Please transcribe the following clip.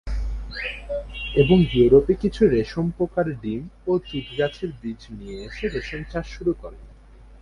এবং ইউরোপে কিছু রেশম পোকার ডিম ও তুঁত গাছের বীজ নিয়ে এসে রেশম চাষ শুরু করেন।